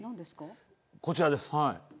こちらです。